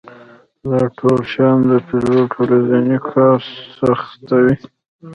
دا ټول شیان د پیلوټ ورځنی کار سختوي